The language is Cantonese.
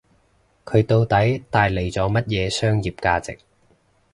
佢到底帶嚟咗乜嘢商業價值